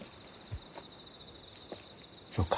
そうか。